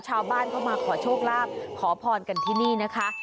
ชาวบ้านก็มาขอโชคลาภขอพรกันที่นี่นะคะ